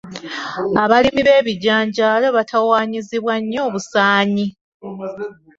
Abalimi b'ebijanjaalo batawaanyizibwa nnyo obusaanyi.